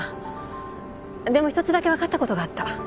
でも１つだけ分かったことがあった。